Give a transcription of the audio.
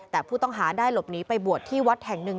แต่ผู้ต้องหาได้หลบหนีไปบวชที่วัดแห่งหนึ่ง